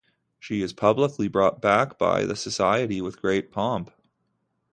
She is publicly brought back by the society with great pomp.